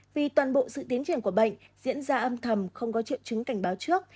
vì toàn bộ sự tiến triển của bệnh diễn ra âm thầm không có triệu chứng cảnh báo trước